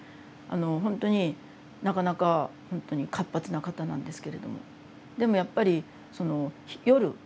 ほんとになかなかほんとに活発な方なんですけれどもでもやっぱりその夜